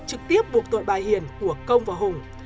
trực tiếp buộc tội bà hiền của công và hùng